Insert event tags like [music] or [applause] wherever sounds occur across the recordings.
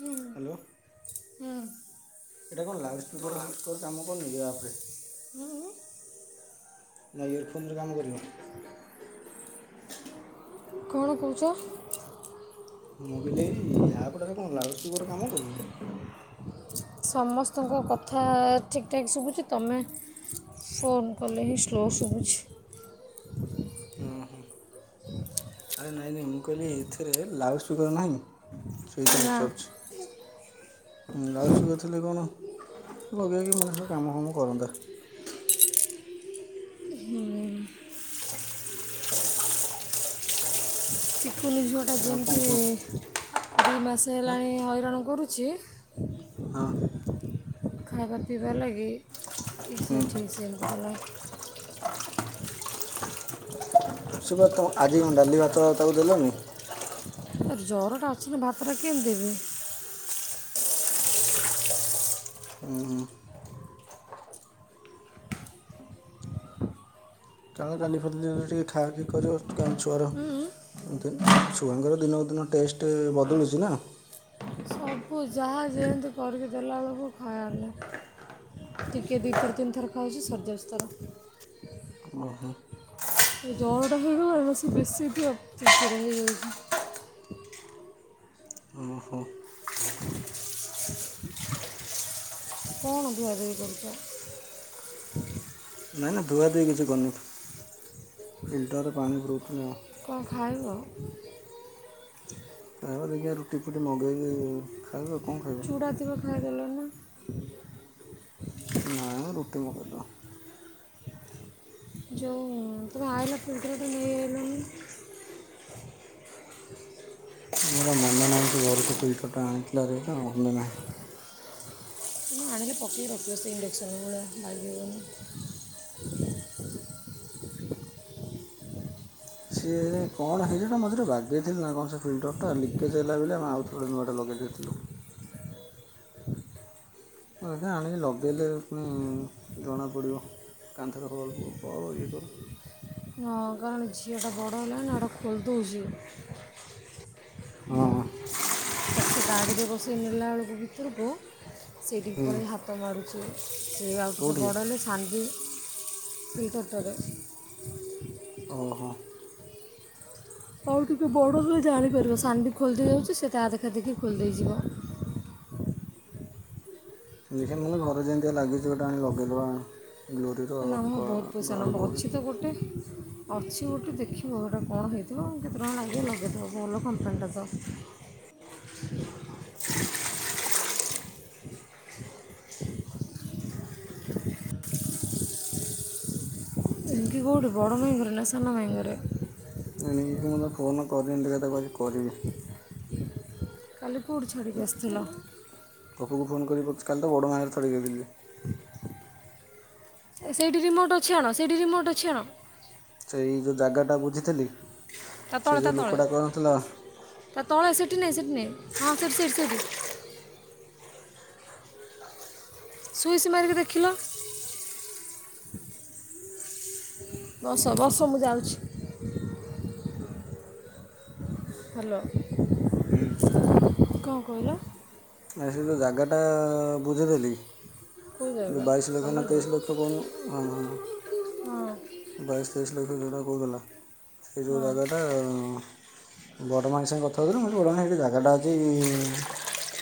ହୁଁ ହୁଁ। ଏଠି କଣ ଲାଉଡ଼ୁପ୍କିର ହୁଜ୍ କଣ କାମକରୁନେହିଁକି ୟାଓପୋରେ? ହୁଁ। ନା ଇୟରଫୋନ୍ ରେ କାମ କରିବ। କଣ କୋହୁଚ? ମୁଁ କହିଲି ୟାପଟା କଣତମ ଲାଉଡୁପ୍କିର କାମ କ ରୁ ନୀ? ସମସ୍ତଙ୍କ କଥା ଠିକ୍ ଠାକ୍ ଶୁଭୁଛି ତମେ ଫୋନ୍ କିଲେ ହିଁ ସ୍ଲୋ ଶୁଭୁଛି। ଉଁ ହୁଁ ଆରେ ନାଇଁ ନାଇଁ ମୁଁ କହିଲି ଏଥିରେ ଲାଉଡୁପ୍କିର୍ ନାହିଁ? ସେଇଥି ରେ ନା ଚଳୁଛି। ଲାଉଡ଼ୁପ୍କିର୍ ଥିଲେ କଣ ଲଗେଇକି ମଣିଷ କାମ ଫାମ କରନ୍ତା। କୁନ ଝିଅଟା ଆଉ କ'ଣ କୁହ ଯେମିତି ଦି ମାସେ ହଁ ହେଲାଣି ହଇରାଣ କରୁଛି। ହଁ। ଖାଇବା ପିଇବା ଲାଗି ହୁଁ। ଏସା ଠିକ୍ ସେ ମିତି କଲା। ସେଟା କଣ ଆଜି ଡାଲି ଭାତ ତାକୁ ଦେଲନି? ଜର ଟା ଅଛି ଭାତ ଟା କେମିତି ଦେବେି। ହୁଁ ହୁଁ। ଆଉ କାଲି ପଦିନ ଏବେ ଟିକେ ଖାଆ ପିଇ କରିବ କା ଛୁଆର ଦେ ଛୁଆଙ୍କର ଦିନକୁ ଦିନ ଟେଷ୍ଟ ବଦଳୁଚି ନା। ସବୁ ଯାହା ଯେନ୍ତି କରିକି ଦେଲାଅଳୁକୁ ଖାଆର ନାଇଁ। ଟିକେ ଦି ଥର ତିନି ଥର ଖାଉଛି ସରି ଯାଉଛି ତାର। ଓହୋ। ଏ ଜରଟା ହେଇଗଲା ଏବେ ସିଏ ବେଶୀ କୁଆ ଚିଡ଼ଚିଡ଼ା ହେଇଯାଉଛି। ଓହୋ କଣ ଧୁଆଧୁଇ କରୁଚ? ନାଇଁ ଏନା ଧୁଆଧୁଇ କିଛି କରୁନି ଫିଲ୍ଟରରେ ପାଣି ପୁଡ଼ଉଥୁନି ଆଉ। କଁ ଖାଇବ? ଖାଇବା ଦେଖିଆ ରୁଟି ଫୁଟି ମଗେଇକି ଖାଇବା କଁ ଖାଇବ? ଥିବା ଖାଇଦେଲଣି ନା? ନାଁ ମ ରୁଟି ମଗେଇଦବା। ଯୋଉଁ ତୁମେ ଆଇଲ ଫିଲ୍ଟରଟା ନେଇ ଆଇଲନି। ମୋର ମନ ନାହିଁ ଟିଏ। ଏଇଠି ଫିଲ୍ଟରଟା ଆଣିିଥିଲେ ହେଇଥାଁ ମନେ ନାହିଁ। ତୁମେ ଆଣିଲେ ପକେଇ ରଖିବ ସେ ଇଣ୍ଡକ୍ସନ୍ ଭଳିଆ ବାଗେଇବନି। ସିଏ କଣ ହେଇଚି ନା ମଝିରେ ବାଗେଇଥିଲି ନା କଣ ସେ ଫିଲ୍ଟରଟା ଲିକେଜ ହେଲା ବେଲି ଆମେ ଆଉ ଗୋଟେ ନୂଆଟା ଲଗେଇ ଦେଇଥିଲୁ। ମୁଁ ଏଟା ଆଣିକି ଲଗେଇଲେ ଫୁଣି ଜଣାପଡ଼ିବ। କନ୍ଥରେ ହୋଲ ଉ ପ ଇଏ କର। ହଁ ପା ଆମ ଝିଅଟା ବଡ଼ ହେଲାଣି ନା ଏଟା ଖୋଲଦୋଉଚି। ହଁ ହଁ। ତାକୁ ସେ ଗାଡ଼ିରେ ବସେଇ ନେଲା ଅଳୁକୁ ଭିତରୁକୁ ସେଇଠିକି ହୁଁ ପଳେଇ ହାତ ମାରୁଚି ସେ ଆଉ ଟିକେ କେଉଁଠି ବଡ଼ ହେଲେ ହାଣ୍ଡି ଫିଲ୍ଟରଟାରେ। ଓହୋ, ଆଉ ଟିକଏ ବଡ଼ ହେଲେ ଜାଣିପାରିବ। ସାନ୍‌ଭି ଖୋଲିଦେଇ ଯାଉଛି ସେ ତା ଦେଖା ଦେଖି ଖୋଲିଦେଇଯିବ। ଦେଖେ ନ ହେଲେ ଘରେ ଯେମିତି ଲାଗିଛି ଗୋଟେ ଆଣି ଲଗେଇଦେବା। ଗ୍ଲୋରିର ନାମ ବହୁତ ପଇସା ଗଡ଼୍ ନବ। ଗ୍ଲୋରି ଅଛି ତ ଗୋଟେ। ଅଛି ଗୋଟେ ଦେଖିବ। ଏଇଟା କଣ ହେଇଥିବ। କେତେ ଟଙ୍କା ଲାଗିବ ଲଗେଇଦବ। ଭଲ କମ୍ପାନୀଟା ତ। ରିଙ୍କି କଉଠି? ବଡମାଇଁ ଘରେ ନା ସାନ ମାଇଁ ଘରେ। [unintelligible] ମୋତେ ଫୋନ କରିନି। ଦେଖିଆ ତାକୁ ଆଜି କହିବି। କାଲି କୋଉଠି ଛାଡ଼ିକି ଆସିଥିଲ? ପପୁକୁ ଫୋନ କରିକି କହୁଛି, କାଲି ତା ବଡ଼ମା ଘରେ ଛାଡ଼ିକି ଆଇଥିଲି। ସେଇଠି ରିମୋଟ ଅଛି ଆଣ- ସେଠି ରିମୋଟ ଅଛି ଆଣ। ସେଇ ଯେଉଁ ଜାଗାଟା ବୁଝିଥିଲି ତା ସେ ତଳେ -ତା ଯେଉଁ ଲୋକଟା କହୁନଥିଲା ତଳେ- ତା ତଳେ, ସେଠି ନାହିଁ -ସେଠି ନାହିଁ। ହଁ ସେଠି- ସେଠି -ସେଇଠି। ସୁଇଚ ମାରିକି ଦେଖିଲ! ବସ ବସ ମୁଁ ଯାଉଛି। ହ୍ୟାଲୋ, କଣ କହିଲ? ଆରେ ସେ ଯୋଉ ଜାଗାଟା ବୁଝିଦେଲି। କେଉଁ ଯୋଉ ଜାଗା ବାଇଶ ଲକ୍ଷ ନା ସମ୍ବଲପୁର ତେଇଶ ଲକ୍ଷ କହୁନୁ। ଅ ହ ହଁ ହ ବାଇଶ ତେଇଶ ଲକ୍ଷ ଯେଉଟା କହୁଥିଲା। ସେ ଯେଉଁ ହଁ ଜାଗାଟା ବଡ଼ ମାଇଁଙ୍କ ସାଙ୍ଗେ କଥା ହଉଥିଲୁ। ମୁଁ କହିଲି ବଡ଼ ମାଇଁ ସେଠି ଜାଗାଟା ଅଛି,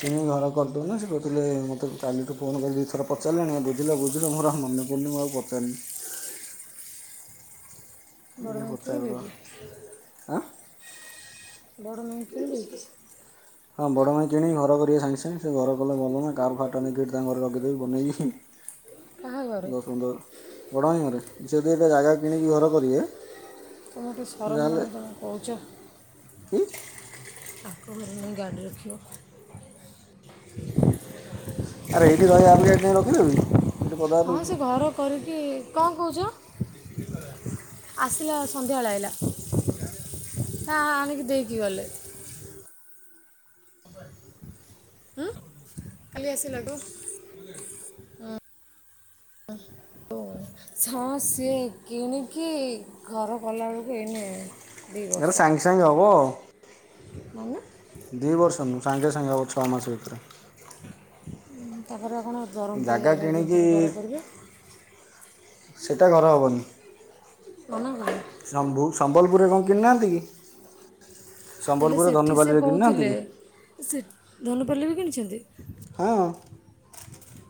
କିଣି ଘର କରିଦଉନ। ସେ କହୁଥିଲେ ମୋତେ କାଲିଠୁ ଫୋନ୍ କରି ଦୁଇଥର ପଚାରିଲେଣି, କବୁଝିଲ -ବୁଝିଲ। ମୋର ଆଉ ମନେ ପଡ଼ିନି ମୁଁ ଆଉ ପଚାରିନି। [inaudible] ବଡ଼ ଏ ମାଇଁ କିଣିବେ [unintelligible] କି ଆଁ! ବଡ ମାଇଁ କିଣିବେ କି? ହଁ ବଡ଼ ମାଇଁ କିଣିିକି ଘର କରିବେ ସାଙ୍ଗେ ସାଙ୍ଗେ। ସେ ଘର କଲେ ଭଲ ନା। କାର୍ ଫାରଟା ନେଇକି ହେଠି ତାଙ୍କ ଘରେ ରଖିଦେବି ବନେଇକି। ହଁ ଦଶ ପନ୍ଦର ବଡ଼ ପାଇଁ ଘରେ। ସେ ଯଦି ଏଇଟା ଜାଗା କିଣିକି ଘର କରିବେ ତମକୁ ଟିକେ ସେ ସରମ ତାହେଲେ ମାଡୁନି ତୁମେ କହୁଛ! କି ତାଙ୍କ ଘରେ ନେଇ ଗାଡ଼ି ରଖିବ। ! ଆରେ ଏଇଠି ରହିବା ଅପେକ୍ଷା ହେଠି ନେଇ ରଖିଦେବି। ଏଠି ପଦାରେ ହଁ ରହୁଛି ସେ ଘର କରିକି, କଣ କହୁଛ? ଆସିଲା ସନ୍ଧ୍ୟାବେଳେ ଆଇଲା। ଆଣିକି ଦେଇକି ଗଲେ। [inaudible] ହୁଁ, କାଲି ଆସିଲାଠୁ। ହ। ହଁ ଓ। ହଁ ସେ କିଣିକି ଘର କଲାବେଳକୁ ଏନେ ଏରା ସାଙ୍ଗେ ସାଙ୍ଗେ ହବ। ମାନେ! ଦୁଇ ବର୍ଷ ନୁଁହୁଁ। ସାଙ୍ଗେ ସାଙ୍ଗେ ହେବ ଛଅ ମାସ ଭିତରେ। ତାଙ୍କର କଣ ବରହମ୍ପୁର ରେ ଜାଗା କିଣିିଛନ୍ତି ଘର କରିବେ। ସେଟା ଘର ହବନି। ମନାକଲେ।? ସମ୍ବଲପୁରରେ କଣ କିଣିନାହାନ୍ତି କି? ହେଲେ ସମ୍ବଲପୁରରେ ସେଠି ସେ ଧନୁପାଲିରେ କିଣିନାହାନ୍ତି କହୁଥିଲେ କି? ସେ ଧନୁପାଲି ରେ ବି କିଣିଛନ୍ତି! ହଁ।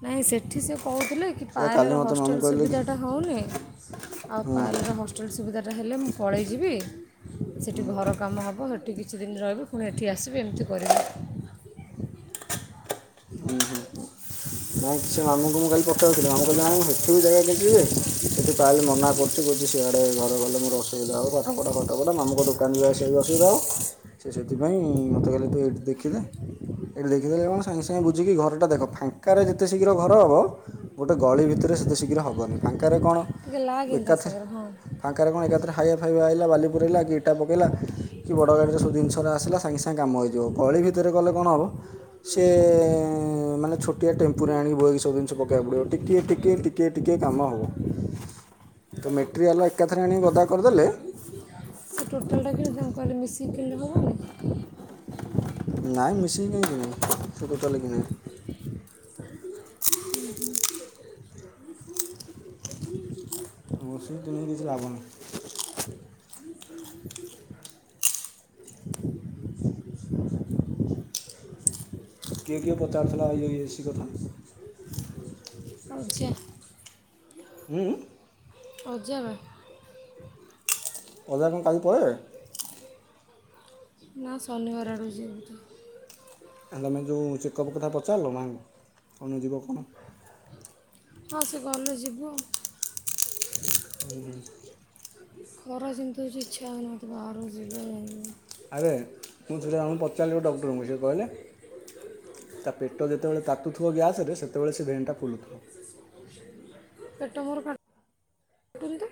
ନାଇଁ ସେଠି ସେ କହୁଥୁଲେ କି ସେ କାଲି ପାଏଲର ମୋତେ ମାମୁଁ ହଷ୍ଟେଲ୍ କହିଲେ କି ସୁବିଧାଟା ହଉନି ଆଉ ହଁ ପାଏଲର ହଷ୍ଟେଲ ସୁବିଧାଟା ହେଲେ ମୁଁ ପଳେଇଯିବି। ସେଠି ଘର କାମ ହବ ହେଠି କିଛି ଦିନ୍ ରହିବି ଫୁଣି ଏଠି ଆସିବି ଏମିତି କରିବି। ଉଁ ହୁଁ ହୁଁ। ନାଇଁ କିଛି ମାମୁଁଙ୍କୁ ମୁଁ କାଲି ପଚାରୁଥିଲି ମାମୁଁ କହିଲେ ହଁ ମୁଁ ହେଠି ବି ଜାଗା ଦେଖିଚି ଯେ ସେଠି ପାଏଲ୍ ମନା କ ଛି କୋଉଚି ସିଆଡ଼େ ଘରେ ଗଲେ ମୋର ଅସୁବିଧା ହବ ପାଠ ପଢ଼ା ଫାଠ ପଢ଼ା ମାମୁଙ୍କ ଦୋକାନରେ ଆସିବାକୁ ଅସୁବିଧା ହବ। ସିଏ ସେଇଥିପାଇଁ ମୋତେ କହିଲେ ତୁ ଏଇଠୁ ଦେଖିଦେ। ଏଇଠୁ ଦେଖିଦେଲେ କଣ ସାଙ୍ଗେ ସାଙ୍ଗେ ବୁଝିକି ଘରଟା ଦେଖ ଫାଁ ଙ୍କାରେ ଯେତେ ଶୀଘ୍ର ଘର ହବ ଗୋଟେ ଗଳି ଭିତରେ ସେତେ ଶୀଘ୍ର ହବନେଇ ଫାଙ୍କାରେ କଣ ଟିକେ ଲାଗେନି ତା ଏକାଥରେ ସାଙ୍ଗରେ ହଁ ଫାଙ୍କାରେ କଣ ଏକାଥରେ ହାଇବା ଫାଇବା ଆଇଲା ବାଲି ପୁରେଇଲା କିି ଇଟା ପକେଇଲା କି ବଡ଼ ଗାଡ଼ିରେ ସବୁ ଦିନିଷରା ଆସିଲା ସାଙ୍ଗେ ସାଙ୍ଗେ କାମ ହେଇଯିବ। ଗଳି ଭିତରେ ଗଲେ କଣ ହବ ସେ ମାନେ ଛୋ ଟିଏ ଟେମ୍ପୁରେ ଆଣିକି ବୋହିକି ସବୁ ଜିନିଷ ପକେଇଆକୁ ପଡ଼ିବ ଟିକିଏ ଟିକିଏ ଟିକିଏ ଟିକିଏ କାମ ହବ। ତ ମେଟରିଆଲ ଏକାଥରେ ଆଣି ଗଦା କରିଦେଲେ ସେ ଟୋଟାଲଟା କି ତ କଲେ ମିଶିକି କିଣି ହବନି? ନାଇଁ ମିଶିକି କାଇଁ କିରିବେ ସେ ଟୋଟାଲେ କିଣିବେ। ମୋଶି କିଣି କିଛି ଲାଭ ନାହିଁ। କିଏ କିଏ ପଚାରୁଥୁଲା ଇଏ ଏ ସିି କଥା? ଅଜା। ହୁଁ ଉଁ? ଅଜା ମ। ଅଜା କଣ କାଲି ପଳେଇବେ? ନାଁ ଶନିବାର ଆଡ଼ୁ ଯିବେ ବୋଧେ। ଆ ତମେ ଯୋଉ ଚେକ୍ ଅପ୍ କଥା ପଚାରିଲ ମାଙ୍କୁ କଣ ଯିବ କଣ? ହଁ ସିଏ ଗଲେ ଯିବୁ କି। ହୁଁ ହୁଁ। ଖରା ଯେମିତି ହୋଉଚି ଇଚ୍ଛା ହୋଉନି ମତେ ବାହାରକୁ ଯିବା ଉଁ ଆରେ ମୁଁ ସେ ଜଣଙ୍କୁ ପଚାରିଲି ଡକ୍ଟରଙ୍କୁ ସେ କହିଲେ ତା ପେଟ ଯେତବେଳେ ତାତୁଥୂବ ଗ୍ୟାସ୍ ରେ ସେତବେଳେ ସେ ଭେନ୍ ଟା ଫୁଲୁଥୁବ। ପେଟ ମୋର କା ଟୁନି ତ।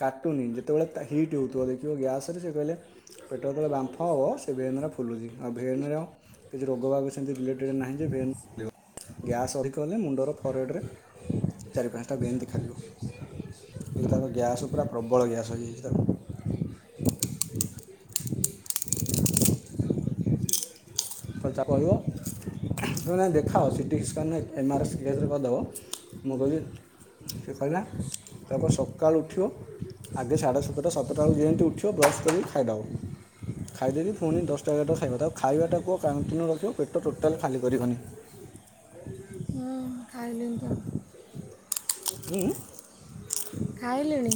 କାଟୁନି ଯେତବେଳେ ତା ହିଟ୍ ହୋଉଥୁବ ଦେଖିବ ଗ୍ୟାସ୍ ରେ ସେ କହିଲେ ପେଟ ଏତଳେ ବାମ୍ଫ ହବ ସେ ଭେନରା ଫୁଲୁଚି ଆଉ ଭେନ୍ ର କିଛି ରୋଗ ବାଗ ସେମିତି ରିଲେଟେଡ଼୍ ନାହିଁ ଯେ ଭେନ୍ ଗ୍ୟାସ୍ ଅଧିକ ହେଲେ ମୁଣ୍ଡର ଫୋରହେଡ଼୍ ରେ ଚାରି ପାଁଶଟା ଭେନ୍ ଦେଖାଯିବ। ହେଲେ ତାର ଗ୍ୟାସ୍ ପୁରା ପ୍ରବଳ ଗ୍ୟାସ୍ ହେଇଯାଇଚି ତାର। କତା କହିଅ। ନାଁ ଦେଖାଅ C T scan M R S ଏକାଥରେ କରିଦବ ମୁଁ କହିଲି ସେ କହିଲା ତାକୁ କ ସକାଳୁ ଉଠିବ। ଆଗେ ସାଢ଼େ ସାତଟା ସାତଟା ହଉ ଯେନ୍ତି ଉଠିବ ବ୍ରସ୍ କରି ଖାଇଦବ। ଖାଇଦେଇକି ଫୁଣି ଦଶଟା ଏଗାରଟା ଖାଇବ ତାକୁ ଖାଇବାଟା କୁହ କଣ୍ଟିନ୍ୟୁ ରଖିବ ପେଟ ଟୋଟାଲି ଖାଲି କରିବନି। ହୁଁ ଖାଇଲିଁ ତ। ଉଁ ଉଁ? ଖାଇଲିଣି।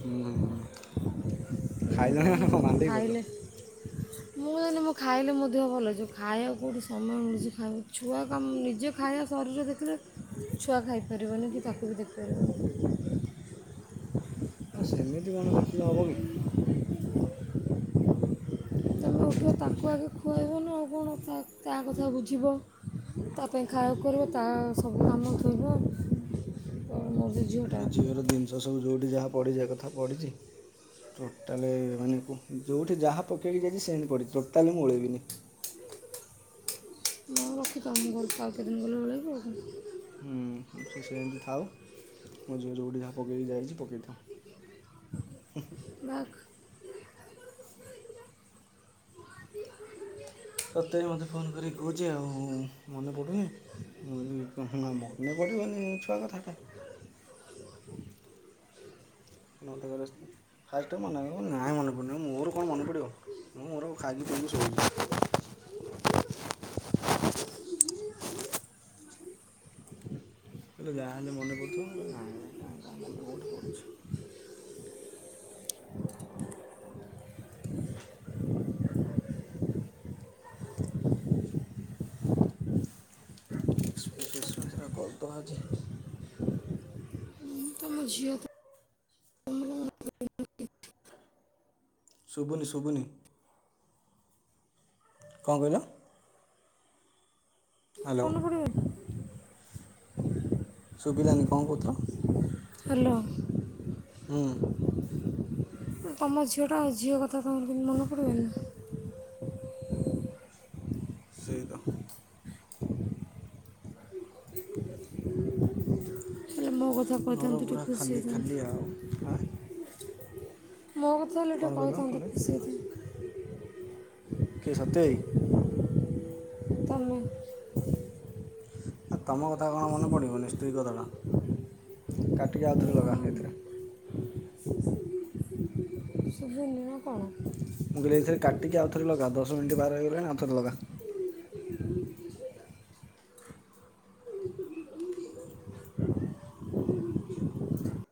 ହୁଁ ହୁଁ ହୁଁ ଖାଇଲ [unintelligible] ଖାଇଲି। ମୁଁ ଜହେଲେ ମୁଁ ଖାଇଲେ ମଧ୍ୟ ଭଲ ଅଛି ଖାଇବାକୁ କେଉଁଠି ସମୟ ମିଳୁଛି ଖାଇବାକୁ ଛୁଆ କାମ ନିଜେ ଖାଇବା ଶରୀରରେ ଦେ କି ଛୁଆ ଖାଇପାରିବନି କି ତାକୁ ବି ଦେଖିପାରିବନି। ହଁ ସେମିତି କଣ ଦେଖିଲେ ହେବ କି। ତମେ ଉଠିବ ତାକୁ ଆଗେ ଖୁଆଇବ ନା ଆଗେ ତା କଥା ବୁଝିବା। ତା ପାଇଁ ଖାଇବାକୁ କରିବ ତା ସବୁ କାମ ଥୋଇବ ମ ମୋ ଝିଅର ଜିନିଷ ସବୁ ଯେଉଁଠି ଯାହା ପଢ଼ିଯା ଏକଥା ପଢ଼ିଛି। ଟୋଟାଲ ମାନେ ଯେଉଁଠି ଯାହା ପକେଇକି ଯାଇଛି ସେମିତି ପଡ଼ିଛି ଟୋଟାଲ ମୁଁ ଉଳେଇବିନି। ହଁ ରଖିଥାଉ ମୁ ଘର ତ ଆଉ କେଦିନ ଗଲେ ଭଳେଇବ ଆଉ। ହୁଁ ସେ ସେ ଏମିତି ଥାଉ ମୋ ଝିଅ ଯେଉଁଠି ଯାହା ପକେଇକି ଯାଇଛି ପକାଇଥାଉ। ହ। ବା। ସତେ ମତେ ଫୋନ କରିକି କହୁଛି ଆଉ ମନେ ପଡୁନି? ମନେ ପଡିବନି ଛୁଆ କଥାଟା। [inaudible] ମୋତେ କହ ଫାଷ୍ଟଟ ମନେପଡିବ ନାଁ ମନପଡ଼ନି ମୋର କଣ ମନପଡ଼ିବ ମୁଁ ମୋର ଖାଇଲି ପି ସଉଛି। ହ [inaudible] କହିଲ ଯାହଲେନେ ପଡ଼ଥିବ ମୁଁ କହିଲି ନା ଭାଇ କୋଉଠେ କଣ ମନେ ପଡୁଛି। ଏକ୍ସପସପଟା କରିଦବା ଆଜି। ତମଝିଅ ତ ହ [inaudible] ଶୁବୁନି ଶୁବୁନି। କଣ କହିଲ? ହ୍ୟାଲୋ ଫୋନ କରିବ। ଶୁଭିଲାନି କଣ କହୁଥିଲ? ହ୍ୟାଲୋ। ହୁଁ। ତମ ଝିଅ ଟା ଆ ଝିଅ କଥା ତମର କେମତି ମନେ ପଡିବନି। ସେଇ ତ। ହେଲେ ମୋ କଥା ଘର କହିଥାନ୍ତ ଟିକେ ପୁରା ଖୁସି ଖାଲି ଖାଲି ଆଉ ହେଇଥାନ୍ତି। ଆଁ ମୋ କଥାହଲେ ଏଠେ କ'ଣ କହିଲ କ'ଣ କହିଥାନ୍ତନ୍ତି ଖୁଷେଇ କେ ସତେଇ। ତମେ ଆ ତୁମ କଥା କଣ ମନେ ପଡ଼ିବନି ସ୍ତ୍ରୀ କଥାଟା କାଟିକି ଆଉଥରେ ଲଗା ଏଥିରେ। ନା ଶୁଭୁନି ନା କଣ? ମୁଁ କହଲି ଏଇଥିରେ କାଟିକି ଆଉଥରେ ଲଗା ଦଶ ମିନିଟ ବାର ହେଇଗଲାଣି ଆଉଥରେ ଲଗା।